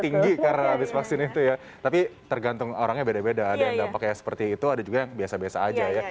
tinggi karena habis vaksin itu ya tapi tergantung orangnya beda beda ada yang dampaknya seperti itu ada juga yang biasa biasa aja ya